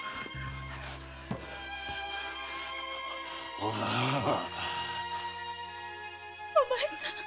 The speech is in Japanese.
おぶん！お前さん！